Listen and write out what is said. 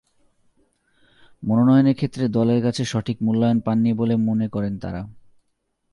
মনোনয়নের ক্ষেত্রে দলের কাছে সঠিক মূল্যায়ন পাননি বলে মনে করেন তাঁরা।